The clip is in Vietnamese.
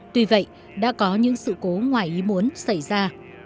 tuy vậy đã có những sự cố ngoài ý muốn xảy ra